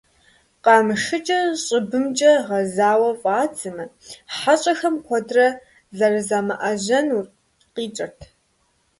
Къамышыкӏыр щӏыбымкӏэ гъэзауэ фӀэдзамэ, хьэщӀэхэм куэдрэ зэрызамыӏэжьэнур къикӏырт.